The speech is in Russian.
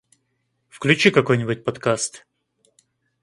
Включи какой-нибудь подкаст